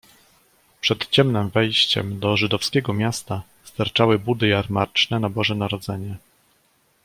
"Przed ciemnem wejściem do żydowskiego miasta sterczały budy jarmarczne na Boże Narodzenie."